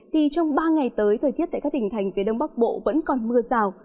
thì trong ba ngày tới thời tiết tại các tỉnh thành phía đông bắc bộ vẫn còn mưa rào